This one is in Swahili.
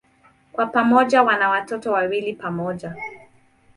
Kwa pamoja wana watoto wawili pamoja.